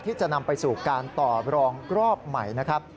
ที่จะนำไปสู่การต่อรองรอบใหม่นะครับ